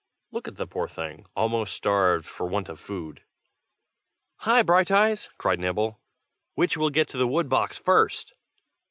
Look at the poor thing, almost starved for want of food!" "Hi! Brighteyes," cried Nibble. "Which will get to the wood box first?"